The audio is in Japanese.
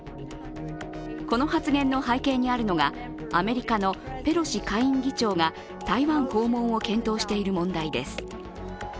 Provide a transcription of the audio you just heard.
この発言の背景にあるのがアメリカのペロシ下院議長が台湾訪問を検討している問題です。